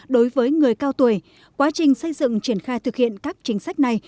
đối với người cao tuổi quá trình xây dựng triển khai thực hiện các chính sách này